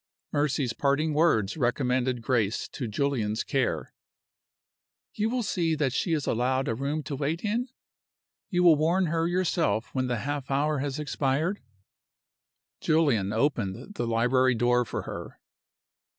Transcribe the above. Mercy's parting words recommended Grace to Julian's care: "You will see that she is allowed a room to wait in? You will warn her yourself when the half hour has expired?" Julian opened the library door for her.